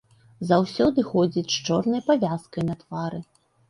Заўсёды ходзіць з чорнай павязкай на твары.